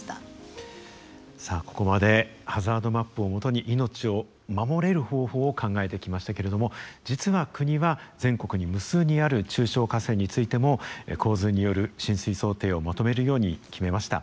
さあここまでハザードマップを基に命を守れる方法を考えてきましたけれども実は国は全国に無数にある中小河川についても洪水による浸水想定をまとめるように決めました。